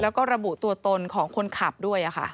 แล้วก็ระบุตัวตนของคนขับด้วย